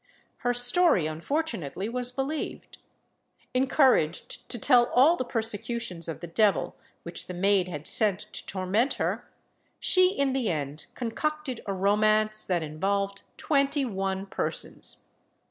Her story unfortunately was believed. Encouraged to tell all the persecutions of the devil which the maid had sent to torment her, she in the end concocted a romance that involved twenty one persons.